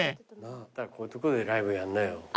こういうとこでライブやんなよ。